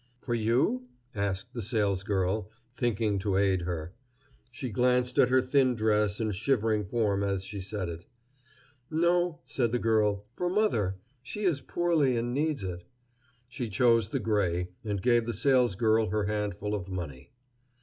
"For you?" asked the salesgirl, thinking to aid her. She glanced at her thin dress and shivering form as she said it. "No," said the girl; "for mother; she is poorly and needs it." She chose the gray, and gave the salesgirl her handful of money.